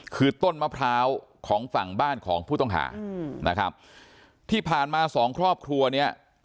คือต้นมะพร้าวของฝั่งบ้านของผู้ต้องหาอืมนะครับที่ผ่านมาสองครอบครัวเนี้ย